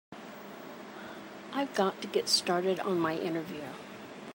I've got to get started on my interview.